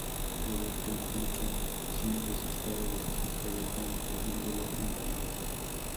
Roberto intenta sin resultado deshacerse de Jun dejándolo en la embajada.